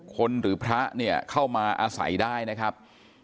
หรือพระเนี่ยเข้ามาอาศัยได้นะครับ